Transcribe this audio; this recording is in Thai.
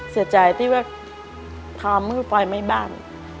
เสียใจที่ว่าทำมันคือฟ้ายไม้บ้าน